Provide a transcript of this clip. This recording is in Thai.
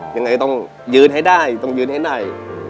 ยังไงต้องยืนให้ได้ต้องยืนให้ได้